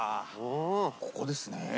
ここですね。